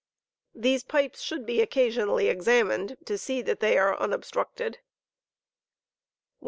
These pipes should be ""toed, occasionally examined, to see that they are unobstructed. 143.